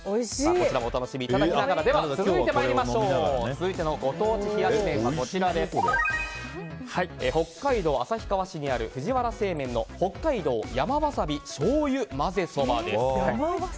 こちらもお楽しみいただきながら続いてのご当地冷やし麺は北海道旭川市にある藤原製麺の北海道山わさび醤油まぜそばです。